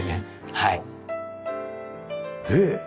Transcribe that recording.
はい。